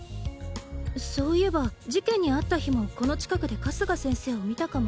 そういえば事件に遭った日もこの近くで春日先生を見たかも。